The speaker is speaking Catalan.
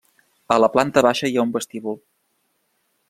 A la planta baixa hi ha un vestíbul.